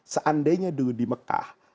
seandainya dulu di mekah